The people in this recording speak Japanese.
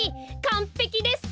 かんぺきです。